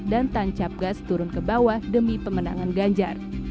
dan tancap gas turun ke bawah demi pemenangan ganjar